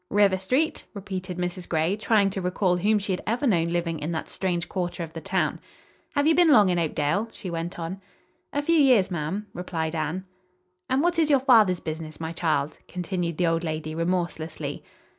"River Street?" repeated Mrs. Gray, trying to recall whom she had ever known living in that strange quarter of the town. "Have you been long in Oakdale?" she went on. "A few years, ma'am," replied Anne. "And what is your father's business, my child?" continued the old lady remorselessly.